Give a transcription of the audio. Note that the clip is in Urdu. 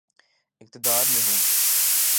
اقتدار میں ہوں۔